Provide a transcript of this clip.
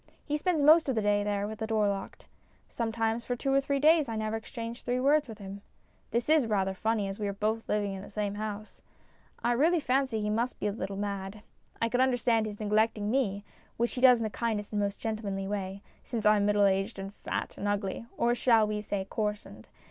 He spends most of the day there with the door locked. Sometimes for two or three days I never exchange three words MINIATURES 239 with him. This is rather funny, as we are both living in the same house. I really fancy he must be a little mad. I could understand his neglecting me, which he does in the kindest and most gentle manly way, since I am middle aged and fat and ugly or shall we say " coarsened